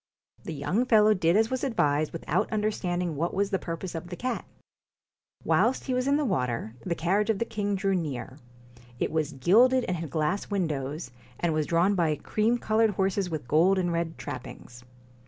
The young fellow did as was advised, without understanding what was the purpose of the cat. Whilst he was in the water, the carriage of the king drew near; it was gilded and had glass windows, and was drawn by cream coloured horses with gold and red trappings.